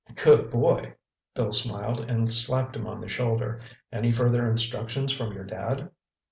"Good boy!" Bill smiled and slapped him on the shoulder. "Any further instructions from your Dad?"